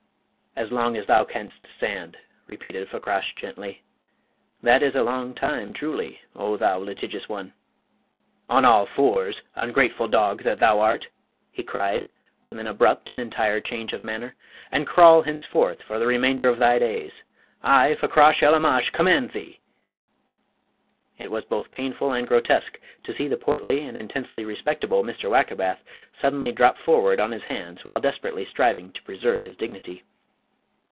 "As long as thou canst stand!" repeated Fakrash, gently. "That is a long time truly, O thou litigious one!... On all fours, ungrateful dog that thou art!" he cried, with an abrupt and entire change of manner, "and crawl henceforth for the remainder of thy days. I, Fakrash el Aamash, command thee!" It was both painful and grotesque to see the portly and intensely respectable Mr. Wackerbath suddenly drop forward on his hands while desperately striving to preserve his dignity.